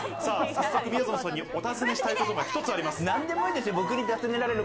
早速みやぞんさんにお尋ねしたいことが一つあります。